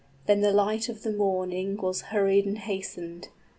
Then the light of the morning Was hurried and hastened.